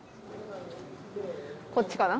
こっちかな。